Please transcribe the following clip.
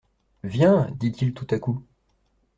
Viens ! dit-il tout à coup.